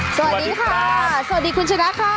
สวัสดีค่ะสวัสดีคุณชนะค่ะ